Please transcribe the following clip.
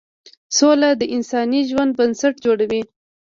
سوله د انساني ژوند بنسټ جوړوي.